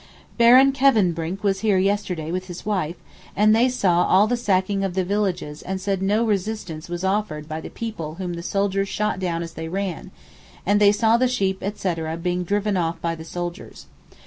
Baron Kevenbrinck was here yesterday with his wife, and they saw all the sacking of the villages and said no resistance was offered by the people whom the soldiers shot down as they ran, and they saw the sheep etc. being driven off by the soldiers.